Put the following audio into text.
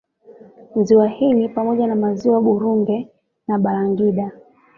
Ziwa hili pamoja na Maziwa Burunge na Balangida